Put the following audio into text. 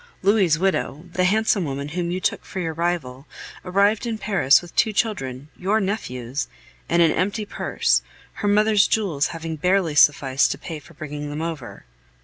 Louis' widow, the handsome woman whom you took for your rival, arrived in Paris with two children your nephews and an empty purse, her mother's jewels having barely sufficed to pay for bringing them over.